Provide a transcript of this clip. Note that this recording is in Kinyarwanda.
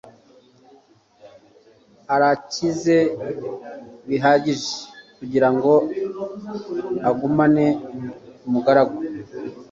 Arakize bihagije kugirango agumane umugaragu.